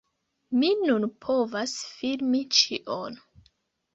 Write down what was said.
Mi nun povas filmi ĉion!